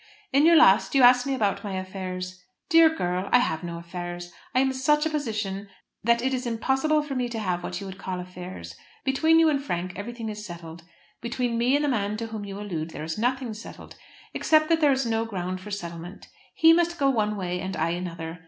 In your last you asked me about my affairs. Dear girl, I have no affairs. I am in such a position that it is impossible for me to have what you would call affairs. Between you and Frank everything is settled. Between me and the man to whom you allude there is nothing settled, except that there is no ground for settlement. He must go one way and I another.